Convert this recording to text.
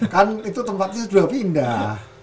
kan itu tempatnya sudah pindah